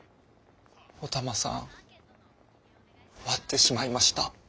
お玉さん割ってしまいました。